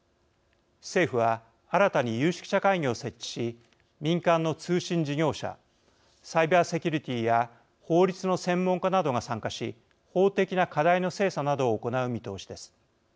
政府は新たに有識者会議を設置し民間の通信事業者サイバーセキュリティーや法律の専門家などが参加し法的な課題の精査などを行う見通しです。